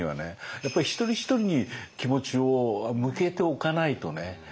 やっぱりひとりひとりに気持ちを向けておかないとね